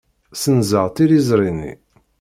Ssenzeɣ tiliẓri-nni.